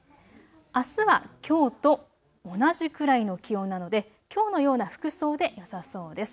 あすはきょうと同じくらいの気温なのできょうのような服装でよさそうです。